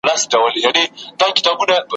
چي ګوربت د غره له څوکي په هوا سو `